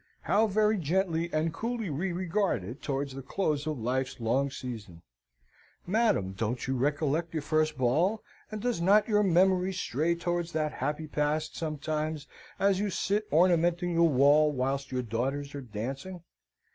How very gently and coolly we regard it towards the close of Life's long season! Madam, don't you recollect your first ball; and does not your memory stray towards that happy past, sometimes, as you sit ornamenting the wall whilst your daughters are dancing?